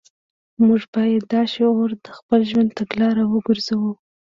موږ باید دا شعار د خپل ژوند تګلاره وګرځوو